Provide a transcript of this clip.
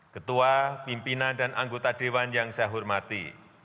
ketua pimpinan dan anggota dewan yang saya hormati